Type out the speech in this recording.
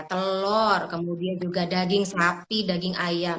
telur kemudian juga daging sapi daging ayam